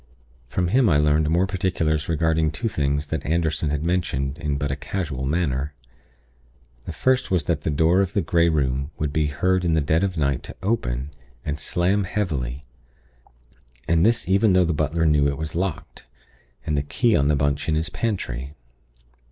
From him I learned more particulars regarding two things that Anderson had mentioned in but a casual manner. The first was that the door of the Grey Room would be heard in the dead of night to open, and slam heavily, and this even though the butler knew it was locked, and the key on the bunch in his pantry.